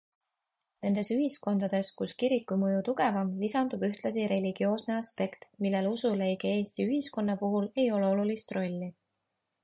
Nendes ühiskondades, kus kiriku mõju tugevam, lisandub ühtlasi religioosne aspekt, millel usuleige Eesti ühiskonna puhul ei ole olulist rolli.